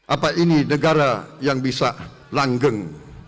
apa ini negara yang bisa langgeng